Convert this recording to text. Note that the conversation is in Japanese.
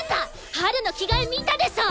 ハルの着替え見たでしょ！